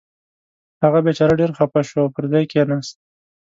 هغه بېچاره ډېر خفه شو او پر ځای کېناست.